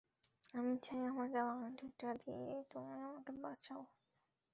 আমি চাই আমার দেওয়া আংটিটা দিয়ে তুমি আমাকে বাঁচাও।